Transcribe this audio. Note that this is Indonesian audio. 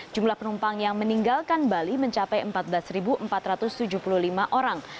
jumlah penumpang yang meninggalkan bali mencapai empat belas empat ratus tujuh puluh lima orang